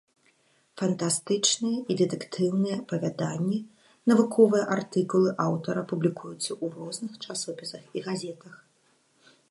Фантастычныя і дэтэктыўныя апавяданні, навуковыя артыкулы аўтара публікуюцца ў розных часопісах і газетах.